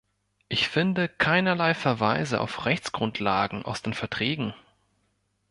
Ich finde keinerlei Verweise auf Rechtsgrundlagen aus den Verträgen.